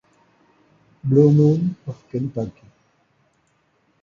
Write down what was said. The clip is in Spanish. Blue Moon Of Kentucky